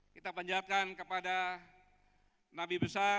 kita panjatkan kepada nabi besar